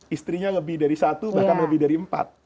istrinya lebih dari satu bahkan lebih dari empat